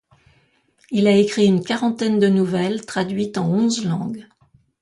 Il a écrit une quarantaine de nouvelles, traduites en onze langues.